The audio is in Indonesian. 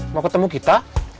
mau ketemu kita